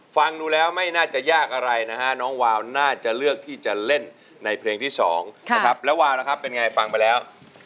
ฟังดูแล้วไม่น่าจะยากอะไรนะฮะน้องวาวน่าจะเลือกที่จะเล่นในเพลงที่๒นะครับแล้ววาวล่ะครับเป็นไงฟังไปแล้ว